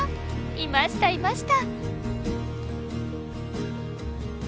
いましたいました。